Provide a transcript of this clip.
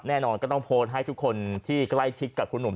แน่นอนก็ต้องโพสต์ให้ทุกคนที่ใกล้ชิดกับคุณหนุ่ม